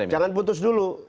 jangan putus dulu